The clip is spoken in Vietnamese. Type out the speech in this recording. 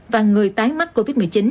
và người tái mắc covid một mươi chín